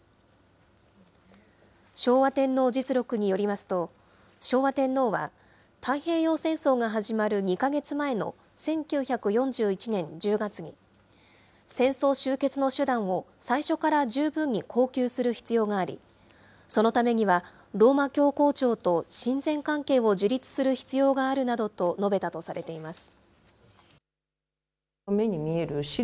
昭和天皇実録によりますと、昭和天皇は、太平洋戦争が始まる２か月前の１９４１年１０月に、戦争終結の手段を最初から十分に考究する必要があり、そのためには、ローマ教皇庁と親善関係を樹立する必要があるなどと述べたとされています。